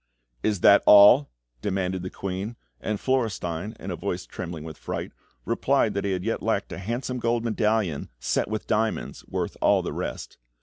"Is that all?" demanded the queen, and Florestein, in a voice trembling with fright, replied that he yet lacked a handsome gold medallion, set with diamonds, worth all the rest.